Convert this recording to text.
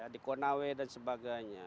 di konawe dan sebagainya